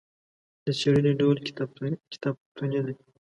د څېړنې ډول کتابتوني دی.